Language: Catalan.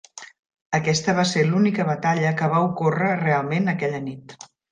Aquesta va ser l'única batalla que va ocórrer realment aquella nit.